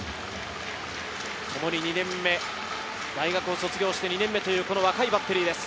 共に２年目、大学を卒業して２年目という若いバッテリーです。